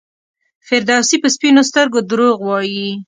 فردوسي په سپینو سترګو دروغ وایي.